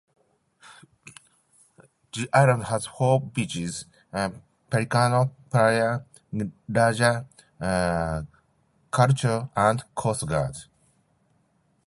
The island has four beaches: Pelicano, Playa Larga, Carrucho, and Coast Guard.